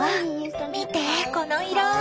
見てこの色！